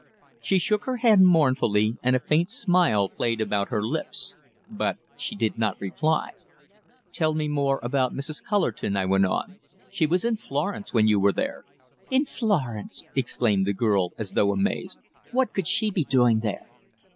She shook her head mournfully, and a faint smile played about her lips. But she did not reply. "Tell me more about Mrs. Cullerton," I went on. "She was in Florence when you were there." "In Florence!" exclaimed the girl, as though amazed. "What could she be doing there?"